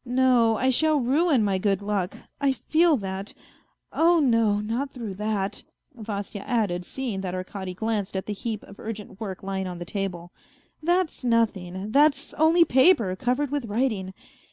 ... No, I shall ruin my good luck ! I feel that ! Oh no, not through that," Vasya added, seeing that Arkady glanced at the heap of urgent work lying on the table, " that's nothing, that's only paper covered with writing